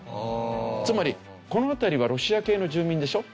つまりこの辺りはロシア系の住民でしょ。